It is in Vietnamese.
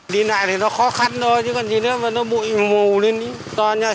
đi lại thì nó khó khăn thôi chứ còn gì nữa là nó bụi mù lên ý